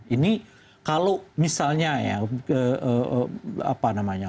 ini kalau misalnya ya apa namanya